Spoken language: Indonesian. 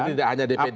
jadi tidak hanya dpd